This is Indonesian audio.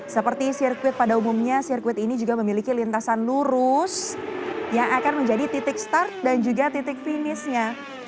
seperti sirkuit pada umumnya sirkuit ini juga memiliki lintasan lurus yang akan menjadi titik start dan juga titik finishnya